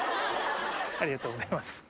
ありがとうございます。